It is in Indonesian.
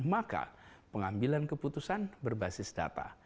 maka pengambilan keputusan berbasis data